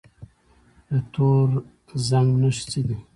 د تور زنګ نښې څه دي؟